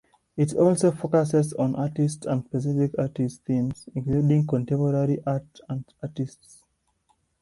It also focuses on artists and specific artistic themes, including contemporary art and artists.